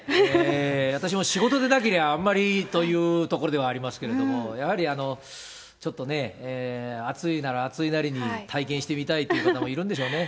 私も仕事でなけりゃあんまりというところではありますけれども、やはりちょっとね、暑いなら暑いなりに体験してみたいという方もいるんでしょうね。